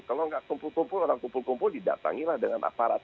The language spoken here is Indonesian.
kalau nggak kumpul kumpul orang kumpul kumpul didatangilah dengan aparat